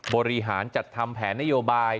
บริหารจัดทำแผนนโยบาย